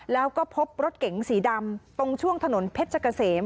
แล้วก็พบรถเก๋งสีดำตรงช่วงถนนเพชรเกษม